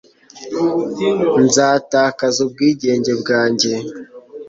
nzatakaza ubwigenge bwanjye